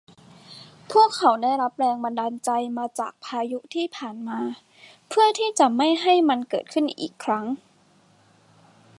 พวกเขาได้แรงบันดาลใจมาจากพายุที่ผ่านมา เพื่อที่จะไม่ให้มันเกิดขึ้นอีกครั้ง